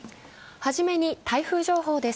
初めに台風情報です。